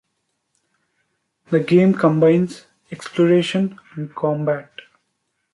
The game combines exploration and combat.